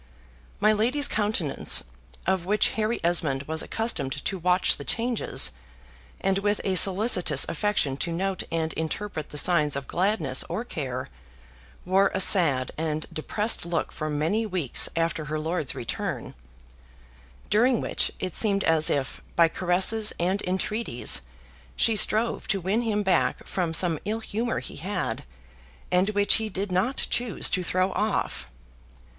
My lady's countenance, of which Harry Esmond was accustomed to watch the changes, and with a solicitous affection to note and interpret the signs of gladness or care, wore a sad and depressed look for many weeks after her lord's return: during which it seemed as if, by caresses and entreaties, she strove to win him back from some ill humor he had, and which he did not choose to throw off.